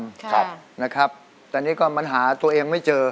ครับนะครับแต่นี่ก็มันหาตัวเองไม่เจอ